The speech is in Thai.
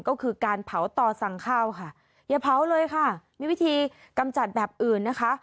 ก็คือการเผาต่อสั่งข้าวค่ะอย่าเผาเลยค่ะมีวิธีกำจัดแบบอื่นนะคะ